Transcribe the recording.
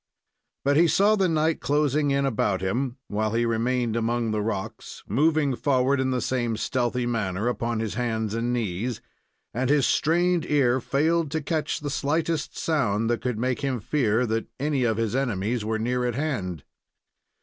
But he saw the night closing in about him, while he remained among the rocks, moving forward in the same stealthy manner, upon his hands and knees, and his strained ear failed to catch the slightest sound that could make him fear that any of his enemies were near at hand.